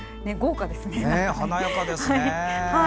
華やかですね。